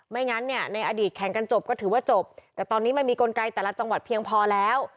ไม่งั้นในอดีตแขก็จบก็ถือว่าจบแต่ตอนนี้ไม่มีกลไกแต่ละจังหวัดเพียงพอแล้ว